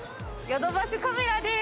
ヨドバシカメラです。